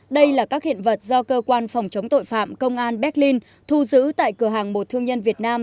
đây là các hiện vật do cơ quan phòng chống tội phạm công an berlin thu giữ tại cửa hàng một thương nhân việt nam